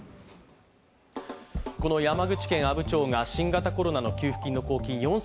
この山口県阿武町が新型コロナ給付金の公金